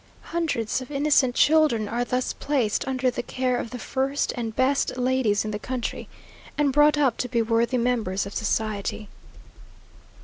Hundreds of innocent children are thus placed under the care of the first and best ladies in the country, and brought up to be worthy members of society.